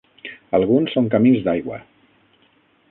Alguns són camins d'aigua.